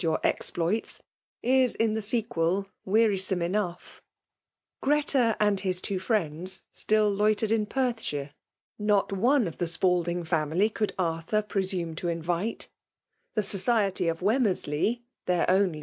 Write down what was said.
your exph^its, is^in^the sequel, wearisome enough Ghreta and his two friends still loitered in Perthshire ; not FEMALE DOHIKATIOK. 17 one of the Spalding fiunily could Arthur pre sume to iafite; the society of Wemmenley^ their only